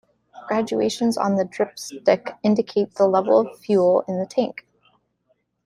Graduations on the dripstick indicate the level of the fuel in the tank.